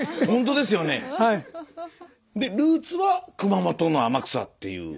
でルーツは熊本の天草っていう。